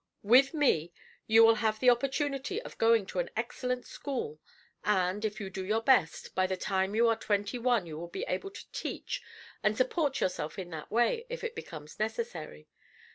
With me you will have the opportunity of going to an excellent school, and, if you do your best, by the time you are twenty one you will be able to teach, and support yourself in that way, if it becomes necessary.